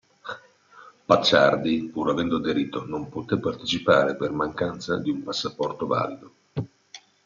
Pacciardi, pur avendo aderito, non poté partecipare per mancanza di un passaporto valido.